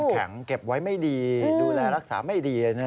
แข็งเก็บไว้ไม่ดีดูแลรักษาไม่ดี